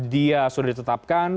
dia sudah ditetapkan